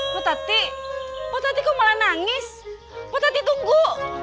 potati potati kok malah nangis potati tunggu